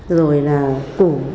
rồi là củ